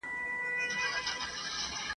ورته پاته په میراث وو له نیکونو !.